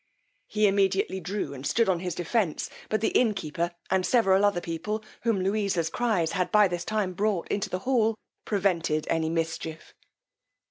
He immediately drew and stood on his defence, but the innkeeper and several other people, whom Louisa's cries had by this time brought into the hall, prevented any mischief.